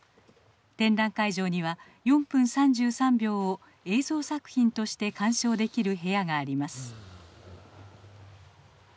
展覧会場には「４分３３秒」を映像作品として鑑賞できる部屋があります。